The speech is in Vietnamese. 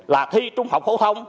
là thi trung học phổ thông